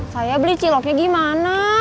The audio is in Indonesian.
saya beli ciloknya gimana